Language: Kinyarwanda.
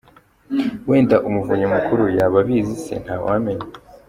Wenda umuvunyi mukuri yaba abizi se ! Nta wamenya.